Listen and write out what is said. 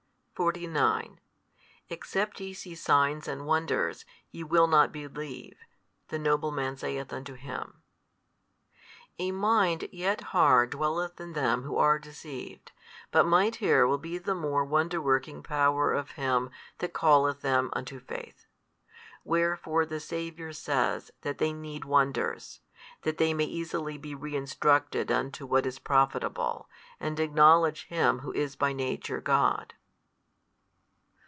49 Except ye see signs and wonders, ye will not believe. The nobleman saith unto Him, A mind yet hard dwelleth in them who arc deceived, but mightier will be the more wonder working power of Him That calleth them unto faith. Wherefore the Saviour says that they need wonders, that they may easily be re instructed unto what is profitable, and acknowledge Him Who is by Nature God.